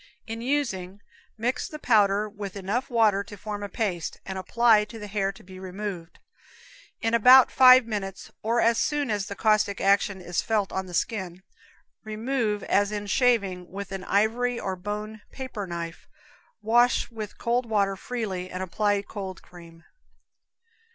In using mix the powder with enough water to form a paste, and apply to the hair to be removed. In about five minutes, or as soon as its caustic action is felt on the skin, remove, as in shaving, with an ivory or bone paper knife, wash with cold water freely, and apply cold cream.